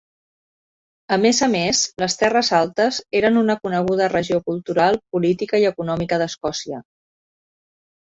A més amés, les Terres Altes eren una coneguda regió cultural, política i econòmica d'Escòcia.